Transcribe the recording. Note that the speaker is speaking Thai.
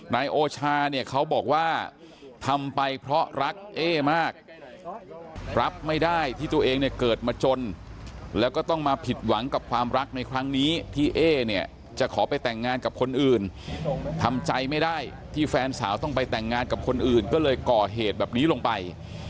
นายโอชาเนี่ยเขาบอกว่าทำไปเพราะรักเอ๊มากรับไม่ได้ที่ตัวเองเนี่ยเกิดมาจนแล้วก็ต้องมาผิดหวังกับความรักในครั้งนี้ที่เอ๊เนี่ยจะขอไปแต่งงานกับคนอื่นทำใจไม่ได้ที่แฟนสาวต้องไปแต่งงานกับคนอื่นก็เลยก่อเหตุแบบนี้ลงไป